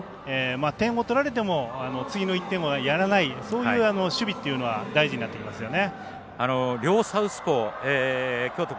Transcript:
点を取られても次の１点はやらないというそういう守備というのは大事になってきますよね。